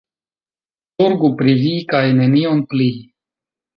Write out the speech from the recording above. Zorgu pri vi, kaj nenion pli.